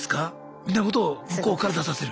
みたいなことを向こうから出させる。